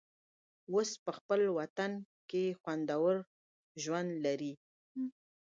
اوس په خپل وطن کې خوندور ژوند لري.